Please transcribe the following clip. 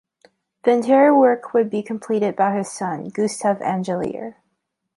The interior work would be completed by his son, Gustave Angelier.